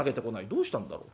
どうしたんだろう？